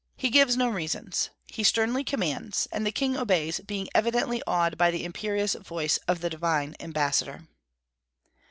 He gives no reasons, he sternly commands; and the king obeys, being evidently awed by the imperious voice of the divine ambassador.